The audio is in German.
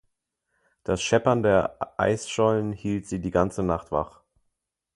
Das Scheppern der Eisschollen hielt sie die ganze Nacht wach.